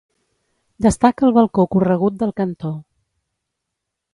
Destaca el balcó corregut del cantó.